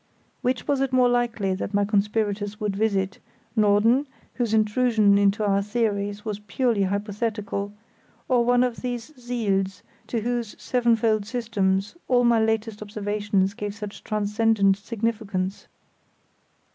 Which was it more likely that my conspirators would visit—Norden, whose intrusion into our theories was purely hypothetical, or one of these siels to whose sevenfold systems all my latest observations gave such transcendent significance?